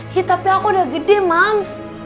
ya tapi aku udah gede mams